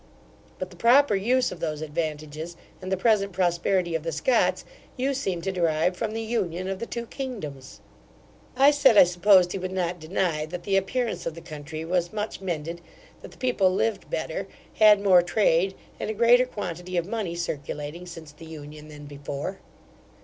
But the proper use of those advantages, and the present prosperity of the Scots, you seem to derive from the union of the two kingdoms!' I said, I supposed he would not deny that the appearance of the country was much mended; that the people lived better, had more trade, and a greater quantity of money circulating since the union, than before.